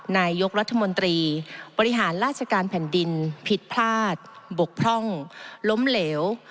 นายกรัฐมนตรีบริหารราชการแผ่นดินผิดพลาดบกพร่องล้มเหลว